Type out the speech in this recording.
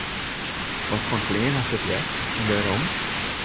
Watfoar klean hast it leafst en wêrom?